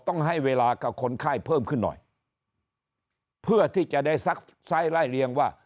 ต้องให้เวลากับคนไข้เพิ่มขึ้นหน่อยเพื่อที่จะได้ซักไซส์ไล่เลี้ยงว่า